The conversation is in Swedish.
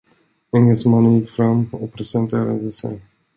Engelsmannen gick fram och presenterade sig.